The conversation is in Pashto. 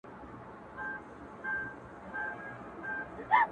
داسي قبـاله مي په وجـود كي ده!!